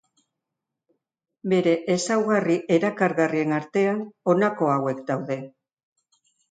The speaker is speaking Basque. Bere ezaugarri erakargarrien artean honako hauek daude.